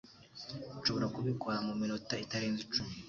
Nshobora kubikora mu minota itarenze icumi.